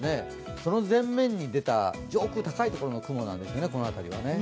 その前面に出た、上空高いところの雲なんですね、この辺りはね。